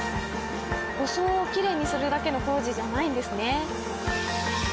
装をきれいにするだけの工事じゃないんですね。